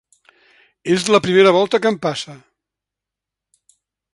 És la primera volta que em passa.